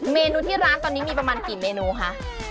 เมนูที่ร้านตอนนี้มีประมาณกี่เมนูคะ